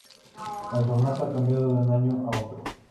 El formato ha cambiado de un año a otro.